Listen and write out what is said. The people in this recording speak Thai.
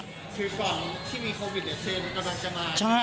คือฝั่งที่มีโควิดเซมันกำลังจะมา